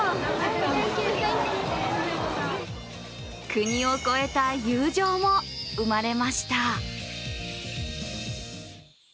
国を越えた友情も生まれました。